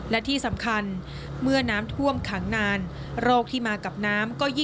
อ๋อพ่อเอาเต็มหมดเลยบวมรู้ไปไหนนั่นดีมาไม่เจอสิ